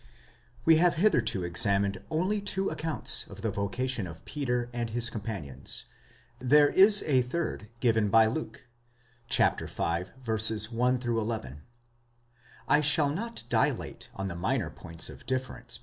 We have hitherto examined only two accounts of the vocation of Peter and' his companions ; there is a third given by Luke (v. 1 11). Ishall not dilate on the minor points of difference!